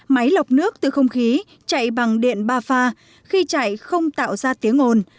máy lọc nước từ không khí chạy bằng điện ba pha khi chạy không tạo ra tiếng ồn